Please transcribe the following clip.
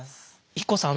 ＩＫＫＯさん